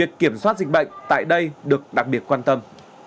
việc kiểm soát dịch bệnh tại đây được đặc biệt quan tâm